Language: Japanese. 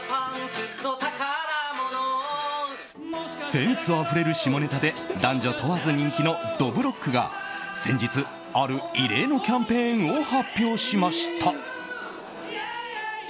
センスあふれる下ネタで男女問わず人気のどぶろっくが先日、ある異例のキャンペーンを発表しました。